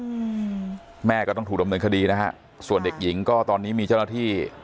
อืมแม่ก็ต้องถูกดำเนินคดีนะฮะส่วนเด็กหญิงก็ตอนนี้มีเจ้าหน้าที่